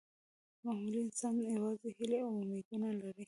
معمولي انسانان یوازې هیلې او امیدونه لري.